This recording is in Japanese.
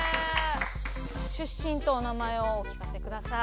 出身とお名前をお聞かせください。